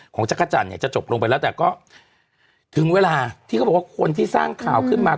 จักรจันทร์เนี่ยจะจบลงไปแล้วแต่ก็ถึงเวลาที่เขาบอกว่าคนที่สร้างข่าวขึ้นมา